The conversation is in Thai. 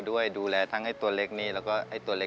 คุณหมอบอกว่าเอาไปพักฟื้นที่บ้านได้แล้ว